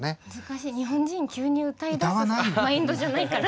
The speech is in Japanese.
日本人急に歌いだすマインドじゃないから。